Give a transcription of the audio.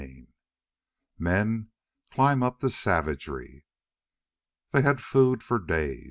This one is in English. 10. MEN CLIMB UP TO SAVAGERY They had food for days.